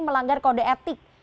melanggar kode etik